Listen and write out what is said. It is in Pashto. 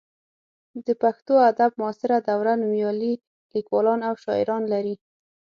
د پښتو ادب معاصره دوره نومیالي لیکوالان او شاعران لري.